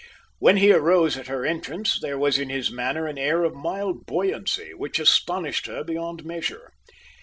When he arose at her entrance, there was in his manner an air of mild buoyancy which astonished her beyond measure.